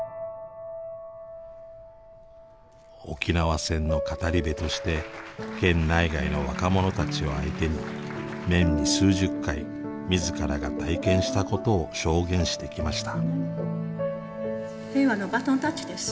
沖縄戦の語り部として県内外の若者たちを相手に年に数十回自らが体験したことを証言してきました。